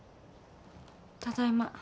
ただいま。